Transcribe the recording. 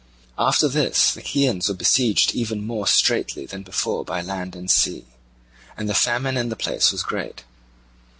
After this the Chians were besieged even more straitly than before by land and sea, and the famine in the place was great.